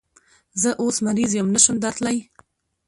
زه اوس مریض یم، نشم درتلای